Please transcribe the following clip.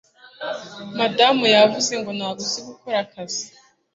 madamu yavuze ngo ntago uzi gukora akazi